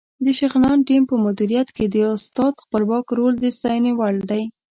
د شغنان ټیم په مدیریت کې د استاد خپلواک رول د ستاینې وړ دی.